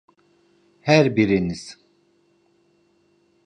Her biriniz.